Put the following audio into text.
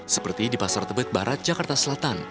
seperti di pasar tebet barat jakarta selatan